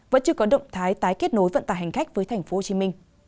vẫn chưa có động thái tái kết nối vận tà hành cách với tp hcm